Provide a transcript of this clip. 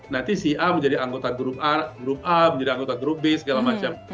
nanti si a menjadi anggota grup a grup a menjadi anggota grup b segala macam